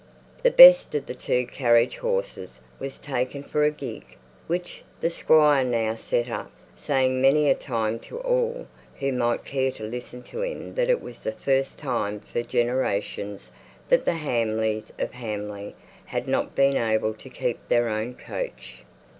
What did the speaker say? The best of the two carriage horses was taken for a gig, which the Squire now set up; saying many a time to all who might care to listen to him that it was the first time for generations that the Hamleys of Hamley had not been able to keep their own coach.